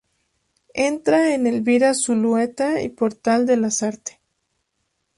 Entra en Elvira Zulueta y Portal de Lasarte.